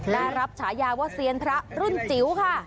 และรับฉายาว่าเซียนพระรุ่นจิ๋วค่ะ